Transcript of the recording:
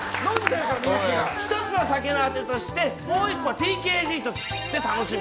１つの酒のあてとしてもう１個はＴＫＧとして楽しむ。